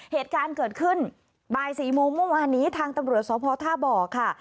เหตุการณ์เกิดขึ้นบ่าย๔โมงเมื่อวานนี้ทางตำรวจสพท่าบ่อค่ะ